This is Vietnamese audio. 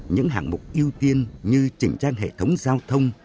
những hạng mục ưu tiên như chỉnh trang hệ thống giao thông